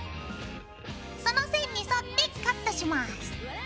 その線に沿ってカットします。